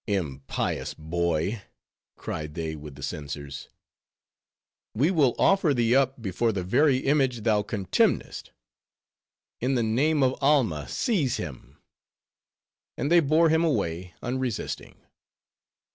"Impious boy," cried they with the censers, "we will offer thee up, before the very image thou contemnest. In the name of Alma, seize him." And they bore him away unresisting.